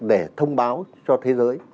để thông báo cho thế giới